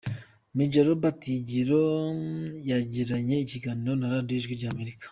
Major Robert Higiro yagiranye ikiganiro na Radio Ijwi ry’Amerika.